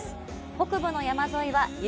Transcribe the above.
北部の山沿いは夕